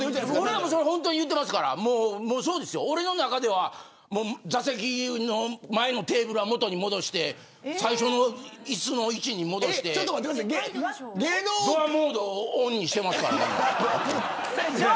俺、ほんまに言うてますから俺の中では座席の前のテーブルは元に戻して最初の椅子の位置に戻してドアモードをオンにしていますからね。